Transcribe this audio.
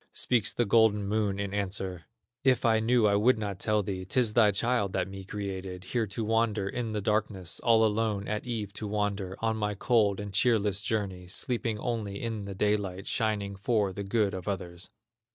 Speaks the golden Moon in answer: "If I knew I would not tell thee; 'Tis thy child that me created, Here to wander in the darkness, All alone at eve to wander On my cold and cheerless journey, Sleeping only in the daylight, Shining for the good of others."